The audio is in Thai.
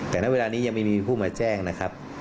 แต่ณเวลานี้ยังไม่มีผู้มาแจ้งนะครับ